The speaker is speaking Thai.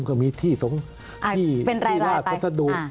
ก็มีที่ตรงที่ราชตะสะดุ